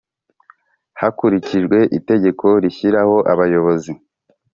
hakurikijwe itegeko rishyiraho abayobozi